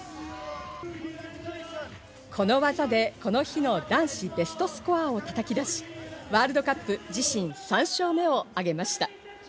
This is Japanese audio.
この技でこの日の男子ベストスコアをたたき出し、ワールドカップ自身３勝目を挙げました。